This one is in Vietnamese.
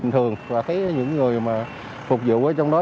thường là thấy những người mà phục vụ ở trong đó